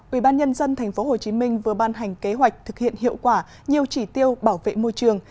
ủy ban nhân dân tp hcm vừa ban hành kế hoạch thực hiện hiệu quả nhiều chỉ tiêu bảo vệ môi trường